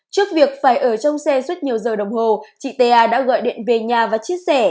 trước việc phải ở trong xe suốt nhiều giờ đồng hồ chị ta đã gọi điện về nhà và chia sẻ